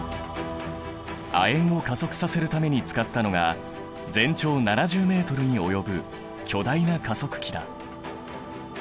亜鉛を加速させるために使ったのが全長７０ｍに及ぶ巨大な加速器だ。